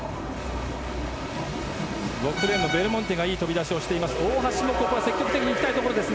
６レーンのベルモンテがいい飛び出しをしています。